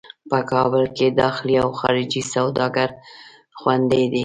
په کابل کې داخلي او خارجي سوداګر خوندي دي.